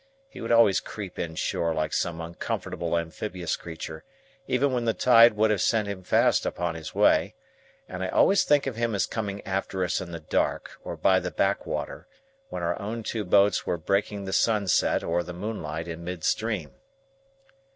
He would always creep in shore like some uncomfortable amphibious creature, even when the tide would have sent him fast upon his way; and I always think of him as coming after us in the dark or by the back water, when our own two boats were breaking the sunset or the moonlight in mid stream.